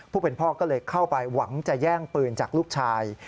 ผู้เป็นพ่อก็เลยเข้าไปหวังจะแย่งปืนจากลูกชาย